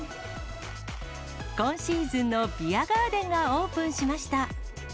今シーズンのビアガーデンがオープンしました。